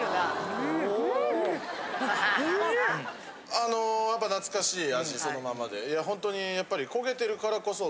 あのやっぱ懐かしい味そのままでいやほんとにやっぱり。